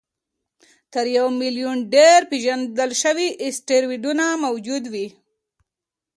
تر یو میلیون ډېر پېژندل شوي اسټروېډونه موجود دي.